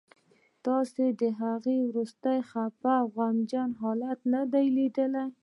تاسو د هغه وروستی خفه او غمجن حالت نه دی لیدلی